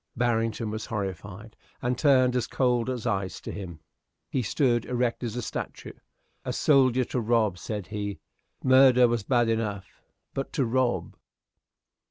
Barrington was horrified, and turned as cold as ice to him. He stood erect as a statue. "A soldier to rob!" said he. "Murder was bad enough but to rob!"